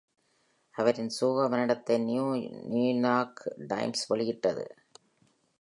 அவரின் சோக மரணத்தை "நியூ நார்க் டைம்ஸ்" வெளியிட்டது.